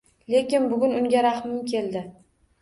Lekin bugun unga rahmim keldi